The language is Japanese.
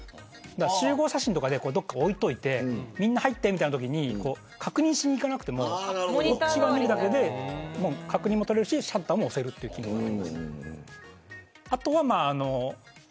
集合写真とかでどこかに置いておいてみんな入ってみたいなときに確認しにいかなくてもこっち側見るだけで確認も取れるしシャッターも押せるという機能があります。